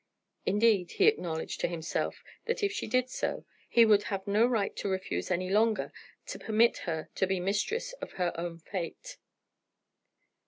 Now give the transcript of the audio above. Indeed he acknowledged to himself that if she did so he would have no right to refuse any longer to permit her to be mistress of her own fate.